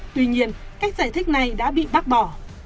tuy nhiên cách giải thích này đã bị bác bỏ